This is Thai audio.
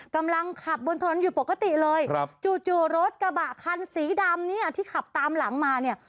กำลังขับบนถนนอยู่ปกติเลยครับจู่รถกระบะคันสีดำเนี่ยที่ขับตามหลังมาเนี่ย